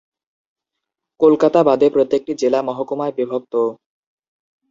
কলকাতা বাদে প্রত্যেকটি জেলা মহকুমায় বিভক্ত।